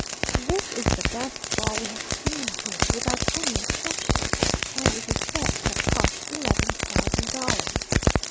This is the best ball we have seen here, without any exception; and it is said to have cost eleven thousand dollars.